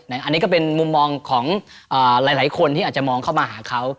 อันนี้ก็เป็นมุมมองของหลายคนที่อาจจะมองเข้ามาหาเขา